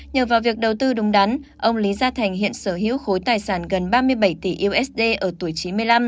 nhờ vào việc đầu tư đúng đắn ông lý gia thành hiện sở hữu khối tài sản gần ba mươi bảy tỷ usd ở tuổi chín mươi năm